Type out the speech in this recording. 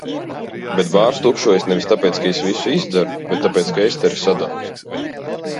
Bet bārs tukšojas nevis tāpēc, ka es visu izdzeru. Bet tāpēc ka Estere sadauza.